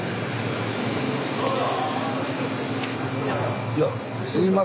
どうぞ！